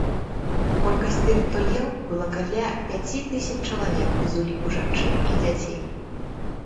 Колькасць тых, хто еў, было каля пяці тысяч чалавек, без уліку жанчын і дзяцей.